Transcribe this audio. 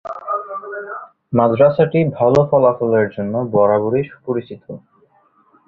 মাদ্রাসাটি ভালো ফলাফলের জন্য বরাবরই সুপরিচিত।